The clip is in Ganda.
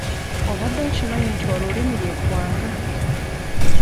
Obadde okimanyi nti olulimi lye ggwanga?